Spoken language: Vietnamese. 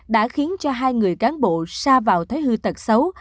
đã khiến cho hai người cán bộ xa vào thế hư tật xấu